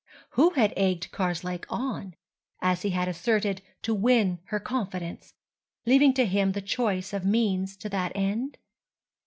Who had egged Karslake on, as he had asserted, "to win her confidence," leaving to him the choice of means to that end?